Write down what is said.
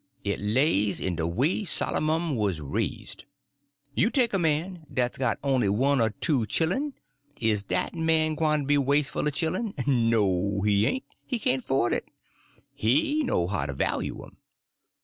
It lays in de way Sollermun was raised. You take a man dat's got on'y one or two chillen; is dat man gwyne to be waseful o' chillen? No, he ain't; he can't 'ford it. He know how to value 'em.